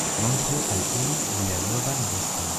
Montru al ili vian novan veston.